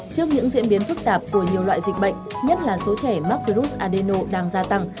trước những diễn biến phức tạp của nhiều loại dịch bệnh nhất là số trẻ mắc virus adeno đang gia tăng